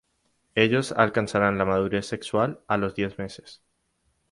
Ellos alcanzarán la madurez sexual a los diez meses.